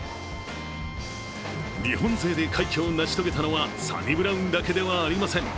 日本勢で快挙を成し遂げたのはサニブラウンだけではありません。